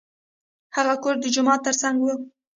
هغه کور د جومات تر څنګ و.